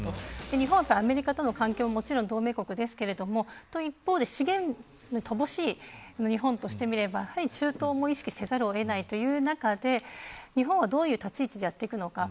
日本はアメリカと同盟国ですが資源に乏しい日本としてみれば中東も意識せざるをえないという中で日本は、どのような立ち位置でやっていくのか。